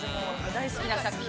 大好きな作品。